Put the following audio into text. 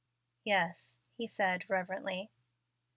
"Yes," he said reverently.